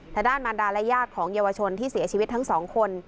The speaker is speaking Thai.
ถ้าด้านมันดาละยากของเยาวชนที่เสียชีวิตทั้ง๒คน